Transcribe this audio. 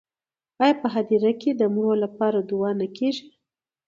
آیا په هدیره کې د مړو لپاره دعا نه کیږي؟